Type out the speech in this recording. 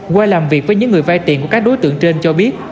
qua làm việc với những người vay tiền của các đối tượng trên cho biết